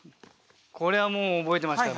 これはもう覚えてましたよ